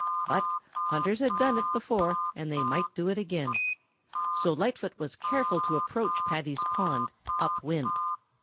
But hunters had done it before and they might do it again. So Lightfoot was careful to approach Paddy's pond up wind.